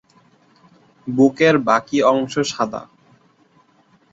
বুকের বাকি অংশ সাদা।